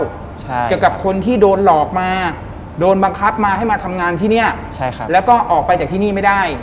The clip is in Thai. ใช่เกี่ยวกับคนที่โดนหลอกมาโดนบังคับมาให้มาทำงานที่เนี้ยใช่ครับแล้วก็ออกไปจากที่นี่ไม่ได้